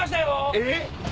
えっ？